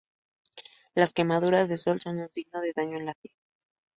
Las quemaduras de sol son un signo de daño en la piel.